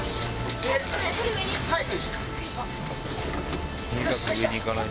はい！